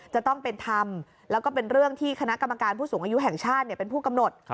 จะต้องเป็นธรรมแล้วก็เป็นเรื่องที่คณะกรรมการผู้สูงอายุแห่งชาติเป็นผู้กำหนด